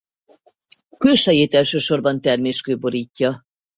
Külsejét elsősorban terméskő borítja.